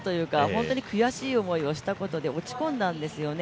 本当に悔しい思いをしたことで落ち込んだんですよね。